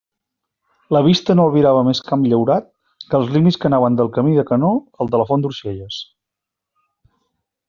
La vista no albirava més camp llaurat que els límits que anaven del camí de Canor al de la font d'Orxelles.